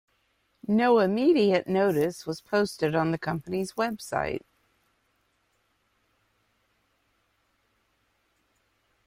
No immediate notice was posted on the company's website.